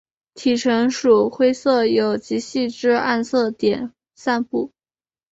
体成鼠灰色有极细之暗色点散布。